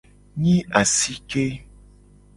Nyi asike.